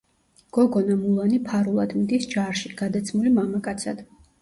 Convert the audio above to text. გოგონა მულანი ფარულად მიდის ჯარში, გადაცმული მამაკაცად.